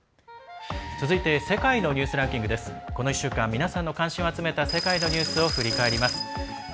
続いて「世界のニュースランキング」。この１週間皆さんの関心を集めた世界のニュースを振り返ります。